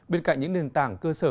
bên cạnh những nền tảng cơ sở